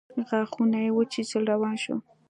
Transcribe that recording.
غاښونه يې وچيچل روان شو.